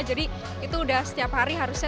jadi itu udah setiap hari harusnya